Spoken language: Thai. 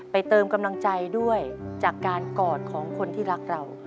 เติมกำลังใจด้วยจากการกอดของคนที่รักเรา